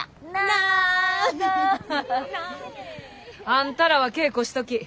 なあ！あんたらは稽古しとき。